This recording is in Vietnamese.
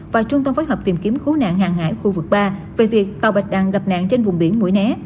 và trung tâm phát hợp tìm kiếm khu nạn hàng hải khu vực ba về việc tàu bạch đạn gặp nạn trên vùng biển mũi né